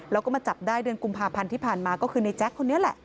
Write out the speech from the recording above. แล้วก็มาจับได้เดือนกุมภาพันธ์ที่ผ่านมาก็คือในแจ๊คคนนี้แหละ